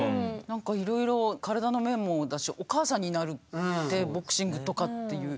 なんかいろいろ体の面もだしお母さんになるってボクシングとかっていう。